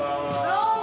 どうも。